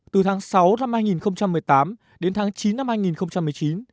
từ tháng sáu năm hai nghìn một mươi tám đến tháng chín năm hai nghìn một mươi chín